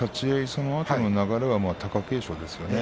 そのあとの流れは貴景勝ですね。